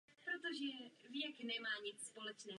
Hewitt ho přinutí naložit do auta tělo Alex.